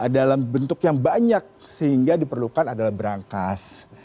dalam bentuk yang banyak sehingga diperlukan adalah berangkas